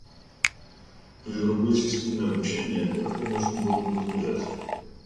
При другой системе обучения этого можно было бы избежать.